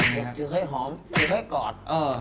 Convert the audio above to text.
อยู่ในข้ายหอมอยู่ในข้ายกอด